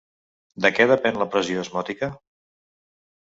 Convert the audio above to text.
De què depèn la pressió osmòtica?